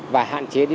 và hạn chế điều khiển